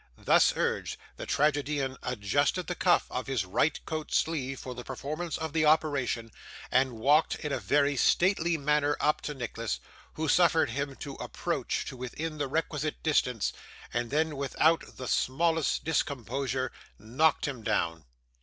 Thus urged, the tragedian adjusted the cuff of his right coat sleeve for the performance of the operation, and walked in a very stately manner up to Nicholas, who suffered him to approach to within the requisite distance, and then, without the smallest discomposure, knocked him down.